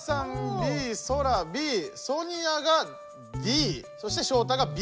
ＢソラＢソニアがＤそしてショウタがＢ。